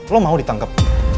lo mau ditangkep